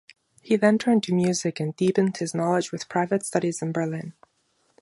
He then turned to music and deepened his knowledge with private studies in Berlin.